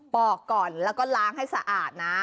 อกก่อนแล้วก็ล้างให้สะอาดนะ